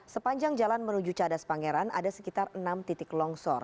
sepanjang jalan menuju cadas pangeran ada sekitar enam titik longsor